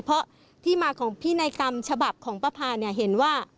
เพราะที่มาของพินัยกรรมฉบับของป้าพาเนี่ยเห็นว่า